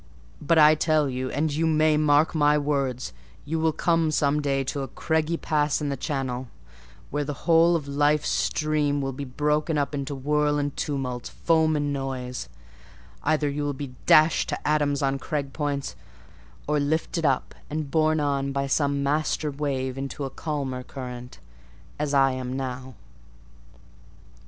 But I tell you—and you may mark my words—you will come some day to a craggy pass in the channel, where the whole of life's stream will be broken up into whirl and tumult, foam and noise: either you will be dashed to atoms on crag points, or lifted up and borne on by some master wave into a calmer current—as I am now.